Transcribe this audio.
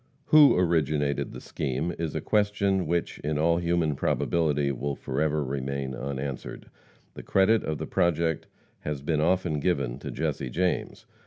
Who originated the scheme is a question which, in all human probability, will forever remain unanswered. The credit of the project has been often given to Jesse James.